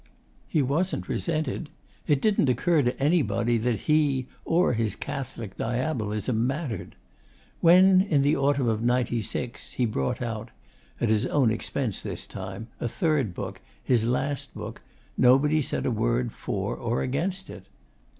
He wasn't resented. It didn't occur to anybody that he or his Catholic Diabolism mattered. When, in the autumn of '96, he brought out (at his own expense, this time) a third book, his last book, nobody said a word for or against it.